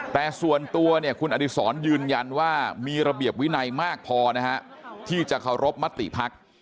แต่ส่วนตัวเนี่ยคุณอดิษรยืนยันว่ามีระเบียบวินัยมากพอนะฮะที่จะเคารพมติภักดิ์